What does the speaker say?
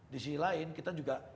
di sisi lain kita juga